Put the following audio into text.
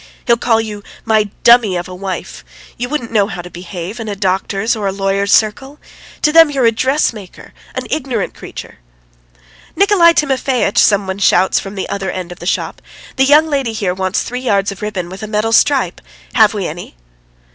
He'll call you 'my dummy of a wife.' You wouldn't know how to behave in a doctor's or lawyer's circle. To them you're a dressmaker, an ignorant creature." "Nikolay Timofeitch!" somebody shouts from the other end of the shop. "The young lady here wants three yards of ribbon with a metal stripe. Have we any?"